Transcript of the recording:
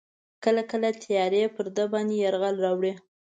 کله کله تیارې پر ده باندې یرغل راوړي.